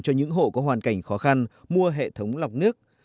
cho những hộ có hoàn cảnh khó khăn mua hệ thống lọc nước